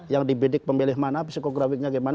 yang dibidik pemilih mana psikografiknya gimana